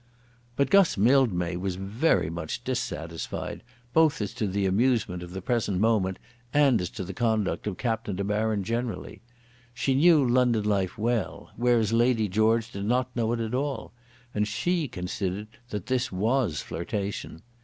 But Guss Mildmay was very much dissatisfied, both as to the amusement of the present moment and as to the conduct of Captain De Baron generally. She knew London life well, whereas Lady George did not know it at all; and she considered that this was flirtation.